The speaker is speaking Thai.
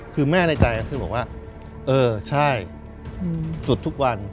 คือแม่ในใจก็คือบอกว่าเออใช่จุดทุกวัน